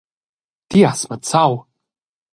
Ti has mazzau!